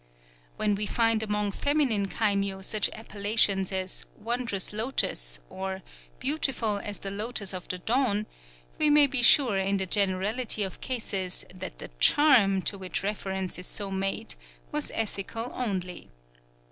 When we find among feminine kaimyō such appellations as "Wondrous Lotos," or "Beautiful as the Lotos of the Dawn," we may be sure in the generality of cases that the charm, to which reference is so made, was ethical only.